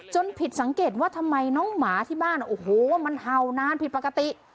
ผิดสังเกตว่าทำไมน้องหมาที่บ้านโอ้โหมันเห่านานผิดปกติ